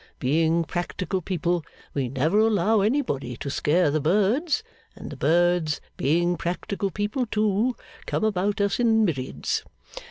Being practical people, we never allow anybody to scare the birds; and the birds, being practical people too, come about us in myriads.